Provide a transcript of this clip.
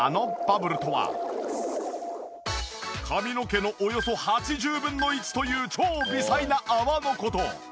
髪の毛のおよそ８０分の１という超微細な泡の事。